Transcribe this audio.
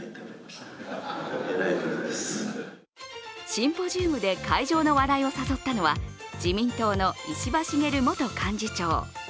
シンポジウムで会場の笑いを誘ったのは自民党の石破茂元幹事長。